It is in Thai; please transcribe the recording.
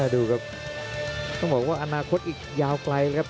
ดูครับต้องบอกว่าอนาคตอีกยาวไกลนะครับ